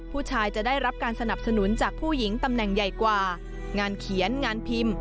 จะได้รับการสนับสนุนจากผู้หญิงตำแหน่งใหญ่กว่างานเขียนงานพิมพ์